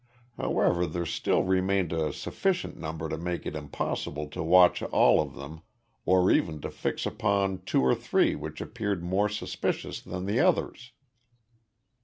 However, there still remained a sufficient number to make it impossible to watch all of them or even to fix upon two or three which appeared more suspicious than the others.